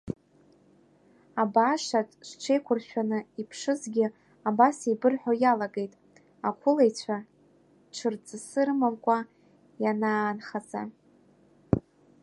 Абаашаҿ зҽеиқәыршәаны иԥшызгьы абас еибырҳәо иалагеит ақәылаҩцәа ҽырҵасы рымамкәа ианаанхаӡа.